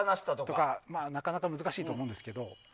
なかなか難しいと思うんですけども。